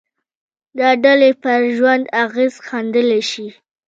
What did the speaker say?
دا ډلې پر ژوند اغېز ښندلای شي